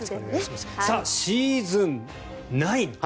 シーズン９。